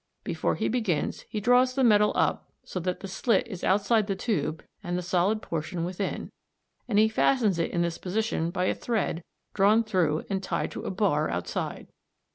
Before he begins, he draws the metal up so that the slit is outside the tube and the solid portion within, and he fastens it in this position by a thread drawn through and tied to a bar outside.